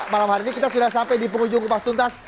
malam hari ini kita sudah sampai di penghujung kupas tuntas